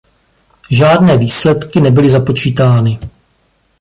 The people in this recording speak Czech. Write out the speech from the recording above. Žádné výsledky nebyly započítány.